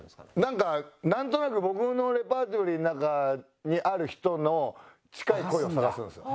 なんかなんとなく僕のレパートリーの中にある人の近い声を探すんですよ。